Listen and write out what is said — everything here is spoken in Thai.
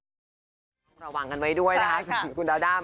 ต้องระวังกันไว้ด้วยนะค่ะคุณดาวด้าม